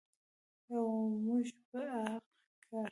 او موږ به عاق کړي.